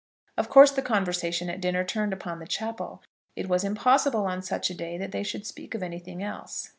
Of course the conversation at dinner turned upon the chapel. It was impossible that on such a day they should speak of anything else.